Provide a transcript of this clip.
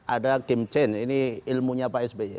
ada game chain ini ilmunya pak sby